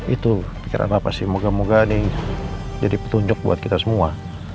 itu pikiran apa sih moga moga ini jadi petunjuk buat kita semua